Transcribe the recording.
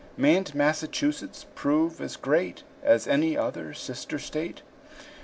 May n't Massachusetts prove as great As any other sister state?